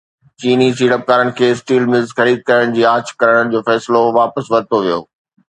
چيني سيڙپڪارن کي اسٽيل ملز خريد ڪرڻ جي آڇ ڪرڻ جو فيصلو واپس ورتو ويو